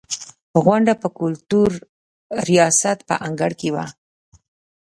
غونډه په کلتور ریاست په انګړ کې وه.